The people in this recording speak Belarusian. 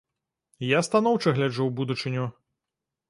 Я станоўча гляджу ў будучыню.